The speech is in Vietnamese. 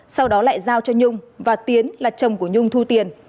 sau đó lại giao cho nhung và tiến là chồng của nhung thu tiền